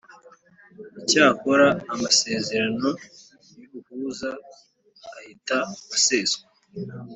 Icyakora amasezerano y’ubuhuza ahita aseswa